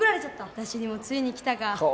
私にもついにきたか。